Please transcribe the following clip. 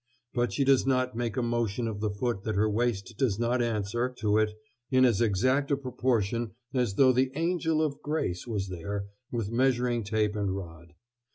But she does not make a motion of the foot that her waist does not answer to it in as exact a proportion as though the Angel of Grace was there with measuring tape and rod.